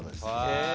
へえ。